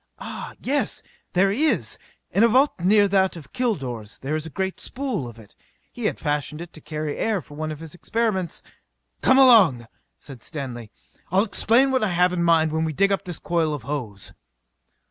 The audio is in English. "Ah, yes! There is! In a vault near that of Kilor's there is a great spool of it. He had it fashioned to carry air for one of his experiments " "Come along!" cried Stanley. "I'll explain what I have in mind while we dig up this coil of hose."